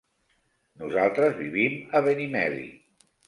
Nosaltres vivim a Benimeli.